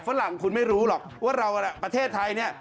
ฝรั่งคุณไม่รู้หรอกว่าเราประเทศไทยเนี่ย